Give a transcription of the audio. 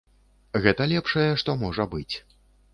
Гэта лепшае, што можа быць.